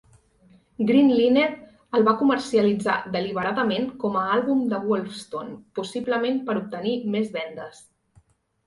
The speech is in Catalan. Green Linnet el va comercialitzar deliberadament com a àlbum de Wolfstone, possiblement per obtenir més vendes.